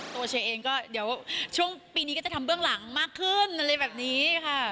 เชเองก็เดี๋ยวช่วงปีนี้ก็จะทำเบื้องหลังมากขึ้นอะไรแบบนี้ค่ะ